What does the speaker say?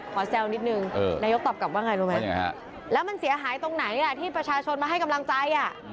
แซวนิดนึงนายกตอบกลับว่าไงรู้ไหมแล้วมันเสียหายตรงไหนล่ะที่ประชาชนมาให้กำลังใจ